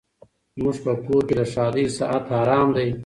زموږ په کور کي د ښادۍ ساعت حرام دی